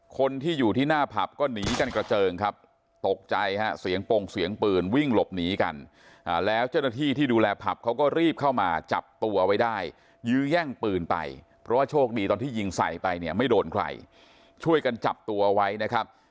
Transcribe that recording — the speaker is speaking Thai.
คนที่อยู่ที่หน้าผับก็หนีกันกระเจิงครับตกใจฮะเสียงปงเสียงปืนวิ่งหลบหนีกันแล้วเจ้าหน้าที่ที่ดูแลผับเขาก็รีบเข้ามาจับตัวไว้ได้ยื้อแย่งปืนไปเพราะว่าโชคดีตอนที่ยิงใส่ไปเนี่ยไม่โดนใครช่วยกันจับตัวไว้นะครับ